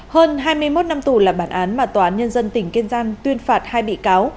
hơn hai mươi một năm tù là bản án mà tòa án nhân dân tỉnh kiên giang tuyên phạt hai bị cáo